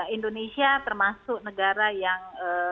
indonesia termasuk negara yang